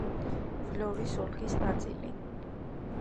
ვლორის ოლქის ნაწილი.